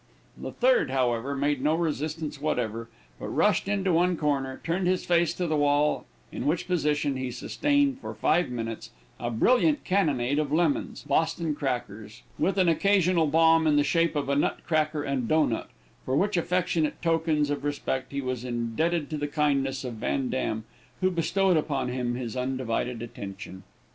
The third, however, made no resistance whatever, but rushed into one corner, turned his face to the wall, in which position he sustained for five minutes a brilliant cannonade of lemons, Boston crackers, with an occasional bomb in the shape of a nut cracker and doughnut, for which affectionate tokens of respect he was indebted to the kindness of Van Dam, who bestowed upon him his undivided attention.